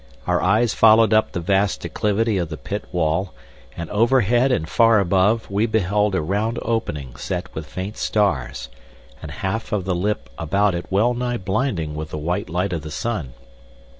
Our eyes followed up the vast declivity of the pit wall, and overhead and far above we beheld a round opening set with faint stars, and half of the lip about it well nigh blinding with the white light of the sun.